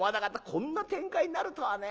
こんな展開になるとはね」。